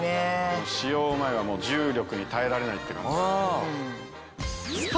使用前は重力に耐えられないって感じ。